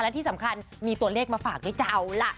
และที่สำคัญมีตัวเลขมาฝากด้วยจะเอาล่ะ